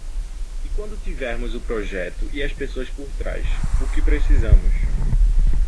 E quando tivermos o projeto e as pessoas por trás, o que precisamos?